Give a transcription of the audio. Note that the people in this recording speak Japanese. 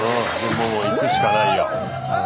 もういくしかないよ。